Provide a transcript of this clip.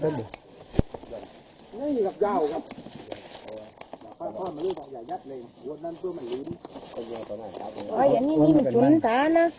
เหลืองเท้าอย่างนั้น